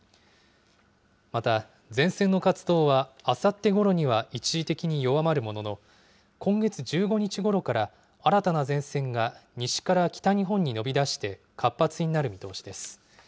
また、前線の活動はあさってごろには一時的に弱まるものの、今月１５日ごろから新たな前線が西から北日本に延びだして活発になる見通しです。